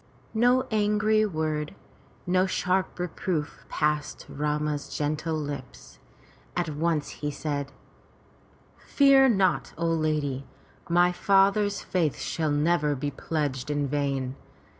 No angry word, no sharp reproof passed Rama's gentle lips. At once he said: "Fear not, O lady, my father's faith shall never be pledged in vain.